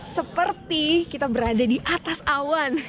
seperti kita berada di atas awan